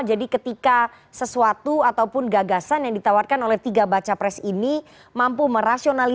jadi ketika sesuatu ataupun gagasan yang ditawarkan oleh tiga baca pres ini mampu merasionalkan